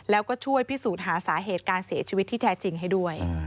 แล้วก็ช่วยพิสูจน์หาสาเหตุการเสียชีวิตที่แท้จริงให้ด้วย